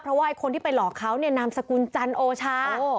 เพราะว่าคนที่ไปหลอกเขาเนี่ยนามสกุลจันโอชา